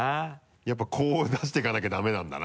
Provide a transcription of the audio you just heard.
やっぱこう出していかなきゃダメなんだな。